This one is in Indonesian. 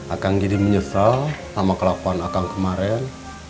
akang jadi menyesal sama kelakuan akang kemarin